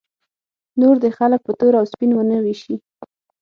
نور دې خلک په تور او سپین ونه ویشي.